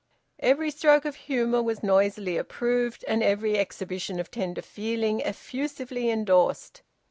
Every stroke of humour was noisily approved, and every exhibition of tender feeling effusively endorsed.